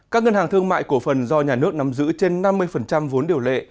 các ngân hàng thương mại cổ phần do nhà nước nắm giữ trên năm mươi vốn điều lệ